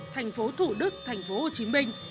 thành phố thủ đức thành phố hồ chí minh